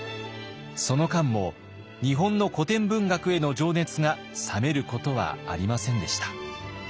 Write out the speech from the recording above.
その間も日本の古典文学への情熱が冷めることはありませんでした。